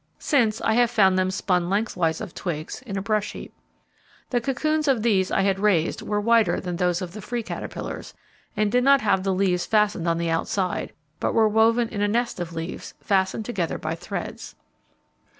Since, I have found them spun lengthwise of twigs in a brush heap. The cocoons of these I had raised were whiter than those of the free caterpillars, and did not have the leaves fastened on the outside, but were woven in a nest of leaves, fastened together by threads.